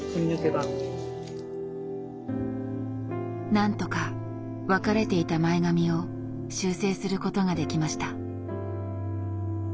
なんとか分かれていた前髪を修正することができました。